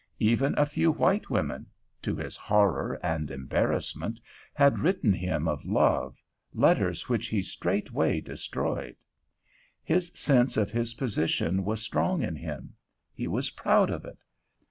Even a few white women, to his horror and embarrassment, had written him of love, letters which he straightway destroyed. His sense of his position was strong in him; he was proud of it.